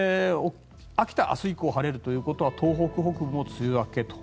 秋田、明日以降晴れるということは東北北部も梅雨明けと。